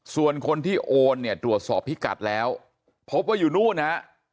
ส่วนคนที่โอนเนี่ยตรวจสอบพิกัดแล้วพบว่าอยู่นู่นฮะ